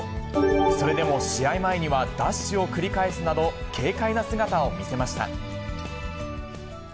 それでも試合前にはダッシュを繰り返すなど、軽快な姿を見せました。